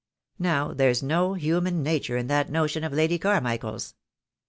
Now, there's no human nature in that notion of Lady Carmichael's.